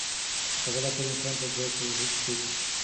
مقابله کول انسان ته ځواک ورکوي.